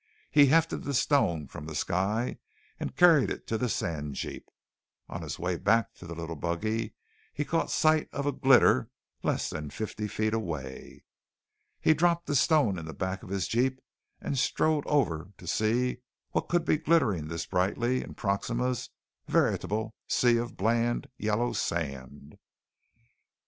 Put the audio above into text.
He hefted the stone from the sky and carried it to the sand jeep. On his way back to the little buggy, he caught sight of a glitter less than fifty feet away. He dropped the stone in the back of the jeep and strode over to see what could be glittering this brightly in Proxima's veritable sea of bland, yellow sand.